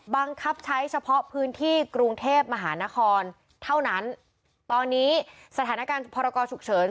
บังคับใช้เฉพาะพื้นที่กรุงเทพมหานครเท่านั้นตอนนี้สถานการณ์พรกรฉุกเฉิน